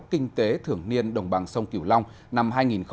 kinh tế thưởng niên đồng bằng sông kiều long năm hai nghìn hai mươi